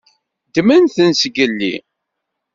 Ddmen-ten zgelli.